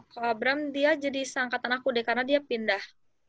kalau abram dia jadi seangkatan aku deh karena dia pindah